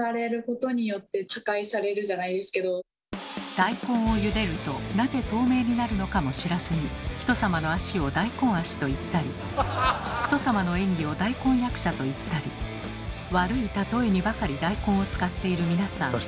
大根をゆでるとなぜ透明になるのかも知らずに人様の足を「大根足」と言ったり人様の演技を「大根役者」と言ったり悪い例えにばかり大根を使っている皆さん。